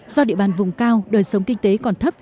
do địa bàn vùng cao đời sống kinh tế còn thấp